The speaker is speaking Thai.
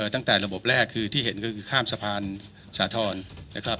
ตั้งแต่ระบบแรกคือที่เห็นก็คือข้ามสะพานสาธรณ์นะครับ